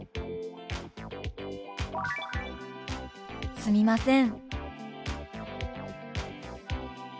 「すみません」。